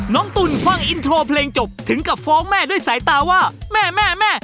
ตุ๋นฟังอินโทรเพลงจบถึงกับฟ้องแม่ด้วยสายตาว่าแม่แม่